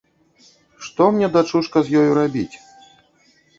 Што мне, дачушка, з ёю рабіць?